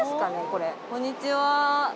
これこんにちは。